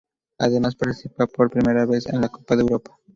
Además participa por primera vez en la Copa de Europa.